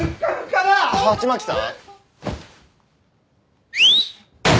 鉢巻さん？